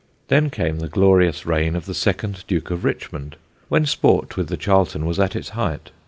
Then came the glorious reign of the second Duke of Richmond, when sport with the Charlton was at its height.